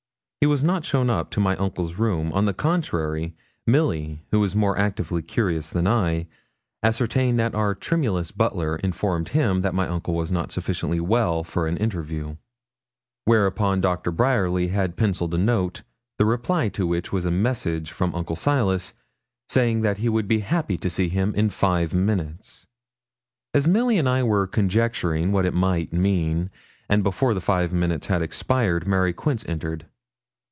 He was not shown up to my uncle's room; on the contrary, Milly, who was more actively curious than I, ascertained that our tremulous butler informed him that my uncle was not sufficiently well for an interview. Whereupon Dr. Bryerly had pencilled a note, the reply to which was a message from Uncle Silas, saying that he would be happy to see him in five minutes. As Milly and I were conjecturing what it might mean, and before the five minutes had expired, Mary Quince entered.